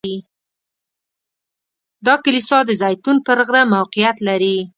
دا کلیسا د زیتون پر غره موقعیت لري.